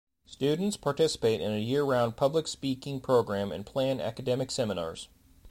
Students participate in a year-round public speaking program and plan academic seminars.